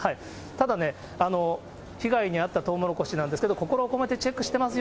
ただね、被害に遭ったとうもろこしなんですけれども、心を込めてチェックしています